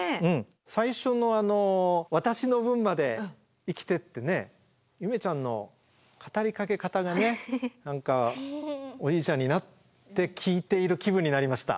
最初の「私の分まで生きて」ってね夢ちゃんの語りかけ方が何かおじいちゃんになって聞いている気分になりました。